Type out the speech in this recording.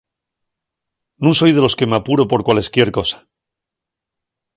Nun soi de los que m'apuro por cualesquier cosa.